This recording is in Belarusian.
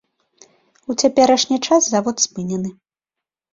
У цяперашні час завод спынены.